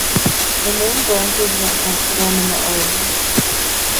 The main branches were in Amsterdam and The Hague.